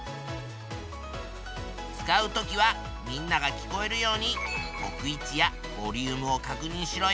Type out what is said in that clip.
使う時はみんなが聞こえるように置く位置やボリュームをかくにんしろよ。